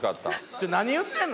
ちょっと何言ってんの？